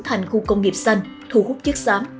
thành khu công nghiệp xanh thu hút chất xám